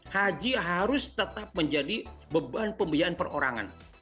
haji harus tetap menjadi beban pembiayaan perorangan